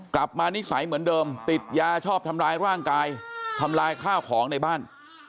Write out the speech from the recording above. มานิสัยเหมือนเดิมติดยาชอบทำร้ายร่างกายทำลายข้าวของในบ้าน